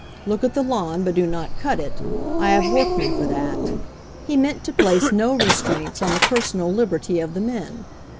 Look at the lawn, but do not cut it ; I have workmen for that." He meant to place no restraints on the personal liberty of the men.